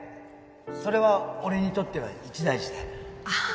それは俺にとっては一大事で